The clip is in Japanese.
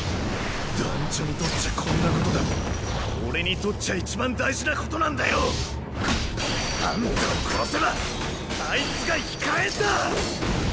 団ちょにとっちゃ「こんなこと」でも俺にとっちゃいちばん大事なことなんだよ！あんたを殺せばあいつが生き返んだ！